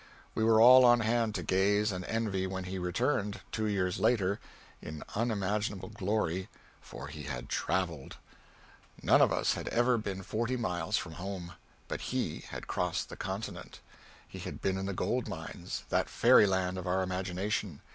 We were all on hand to gaze and envy when he returned, two years later, in unimaginable glory for he had travelled! None of us had ever been forty miles from home. But he had crossed the Continent. He had been in the gold mines, that fairyland of our imagination.